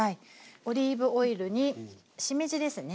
オリーブオイルにしめじですね。